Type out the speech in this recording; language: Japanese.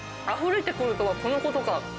あふれてくるとはこのことか。